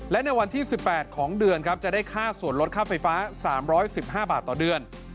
และในวันที่๑๘ของเดือนครับจะได้ค่าส่วนลดค่าไฟฟ้า๓๑๕บาทต่อเดือน